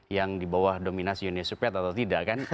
yang di bawah dominasi unicepat atau tidak kan